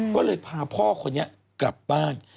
ก็เลยพาพ่อคนนี้กลับบ้าน